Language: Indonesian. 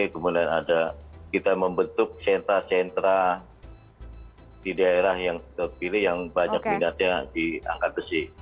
kemudian ada kita membentuk sentra sentra di daerah yang terpilih yang banyak minatnya di angkat besi